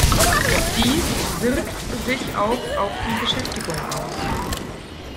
Dies wirkt sich auch auf die Beschäftigung aus.